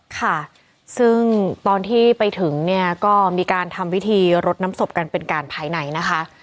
ค่ะซึ่งตอนที่ไปถึงเนี่ยก็มีการทำพิธีรดน้ำศพกันเป็นการภายในนะคะ